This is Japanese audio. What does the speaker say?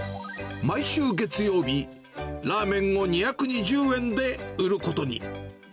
毎週月曜日、ラーメンを２２０円で売ることに。